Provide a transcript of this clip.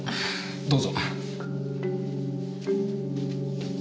どうぞ。